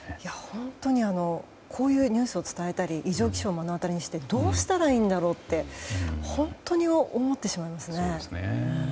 本当にこういうニュースを伝えたり異常気象を目の当たりにしたりどうしたらいいだろうって本当に思ってしまいますね。